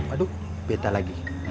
aduh beta lagi